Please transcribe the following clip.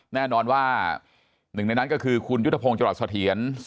แน่นอนว่าหนึ่งในนั้นก็คือคุณยุทธพงศ์จรัสเถียร